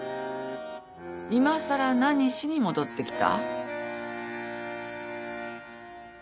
いまさら何しに戻ってきた？